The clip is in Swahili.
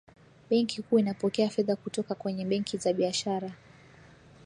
benki kuu inapokea fedha kutoka kwenye benki za biashara